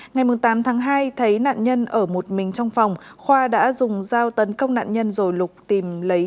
ngày tám tháng hai thấy nạn nhân ở một mình trong phòng khoa đã dùng dao tấn công nạn nhân rồi lục tìm lấy